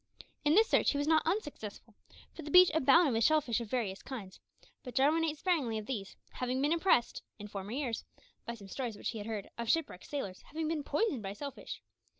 In this search he was not unsuccessful, for the beach abounded with shell fish of various kinds; but Jarwin ate sparingly of these, having been impressed, in former years, by some stories which he had heard of shipwrecked sailors having been poisoned by shell fish.